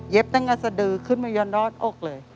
เย็บตั้งกับสะดือขึ้นมาย้อนรอดอกเลย